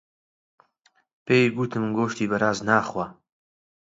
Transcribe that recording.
پێی گوتم گۆشتی بەراز ناخوات.